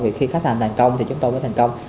vì khi khách hàng thành công thì chúng tôi mới thành công